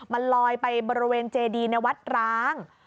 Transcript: มันลอยไปบริเวณเจดีในวัดร้าง